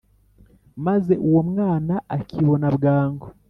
maze uwo mwana akibona bwangu,